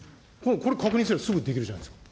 これ、確認すればすぐできるじゃないですか。